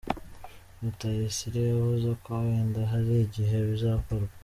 Rutayisire yavuze ko wenda hari igihe bizakorwa.